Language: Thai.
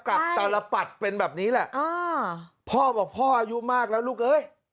กับสารปัดเป็นแบบนี้แหละพ่อบอกพ่ออายุมากแล้วลูกเอ้ย